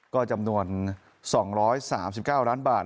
ก็จำนวน๒๓๙ล้านบาท